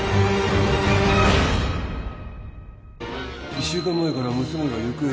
１週間前から娘が行方不明でね。